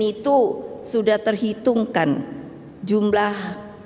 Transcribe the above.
saya sudah pengen di panggilan